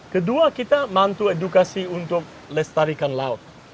kedua kita mantu edukasi untuk lestarikan laut